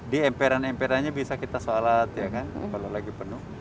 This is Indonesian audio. di emperan emperanya bisa kita shalat kalau lagi penuh